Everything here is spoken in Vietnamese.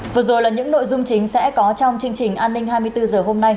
vừa rồi là những nội dung chính sẽ có trong chương trình an ninh hai mươi bốn h hôm nay